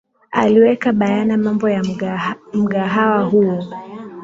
aliweka bayana mambo ya mgahawa huo